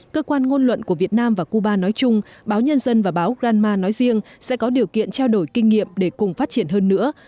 cơ quan ngôn luận của việt nam và cuba nói chung báo nhân dân và báo granma nói riêng sẽ có điều kiện trao đổi kinh nghiệm để cùng phát triển hơn nữa